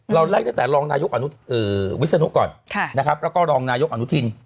เราไล่ตั้งแต่รองนายกวิศนุก่อนนะครับแล้วก็รองนายกอนุทิน